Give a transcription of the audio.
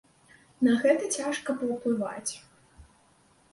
На гэта цяжка паўплываць.